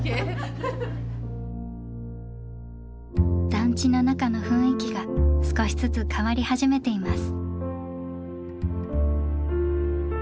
団地の中の雰囲気が少しずつ変わり始めています。